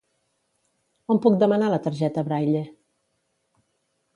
On puc demanar la targeta Braille?